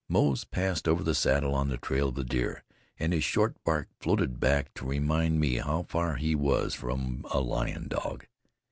Moze passed over the saddle on the trail of the deer, and his short bark floated back to remind me how far he was from a lion dog.